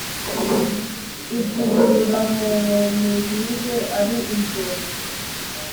ivugurura mu mirire ari ingenzi